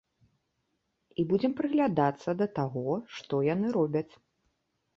І будзем прыглядацца да таго, што яны робяць.